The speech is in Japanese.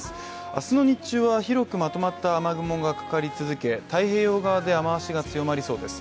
明日の日中は広くまとまった雨雲がかかり続け太平洋側で雨足が強まりそうです。